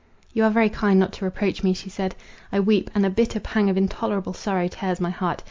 "You are very kind not to reproach me," she said: "I weep, and a bitter pang of intolerable sorrow tears my heart.